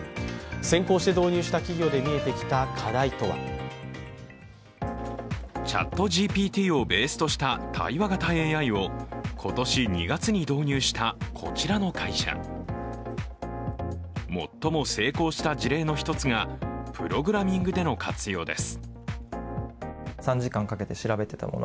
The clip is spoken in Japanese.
先行して導入した企業で見えてきた課題とはＣｈａｔＧＰＴをベースとした対話型ＡＩを今年２月に導入したこちらの会社最も成功した事例の一つがプログラミングでの活用です。